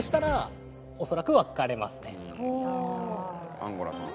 アンゴラさんは？